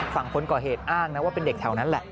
ฝั่งคนก่อเหตุอ้างนะว่าเป็นเด็กแถวนั้นแหละ